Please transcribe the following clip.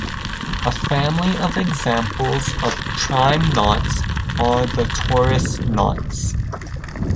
A family of examples of prime knots are the torus knots.